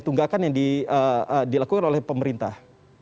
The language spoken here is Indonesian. tunggakan yang dilakukan oleh pemerintah